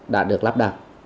đã được lắp đặt